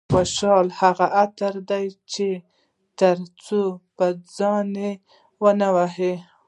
خوشحالي هغه عطر دي چې تر څو پر ځان نه وي وهلي.